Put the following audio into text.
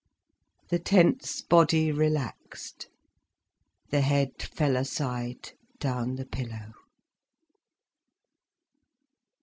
The tense body relaxed, the head fell aside, down the pillow.